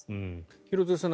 廣津留さん